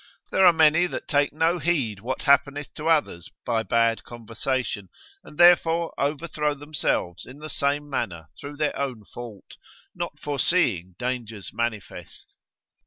There are many that take no heed what happeneth to others by bad conversation, and therefore overthrow themselves in the same manner through their own fault, not foreseeing dangers manifest.